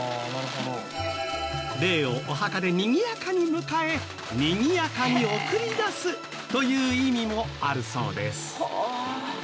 霊をお墓でにぎやかに迎えにぎやかに送り出すという意味もあるそうです。